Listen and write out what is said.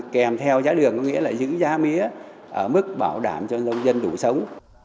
kèm theo giá đường có nghĩa là giữ giá mía ở mức bảo đảm cho nông dân đủ sống